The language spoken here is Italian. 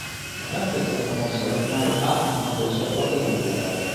La Francia è stata promossa alla finale A in quanto ostacolata durante la gara.